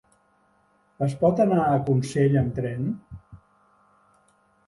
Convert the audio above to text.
Es pot anar a Consell amb tren?